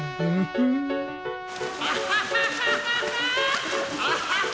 アハハハハハハ！